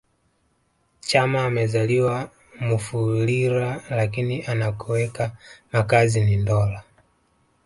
Chama amezaliwa Mufulira lakini anakoweka makazi ni Ndola